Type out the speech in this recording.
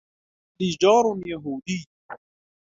لي جار يهودي.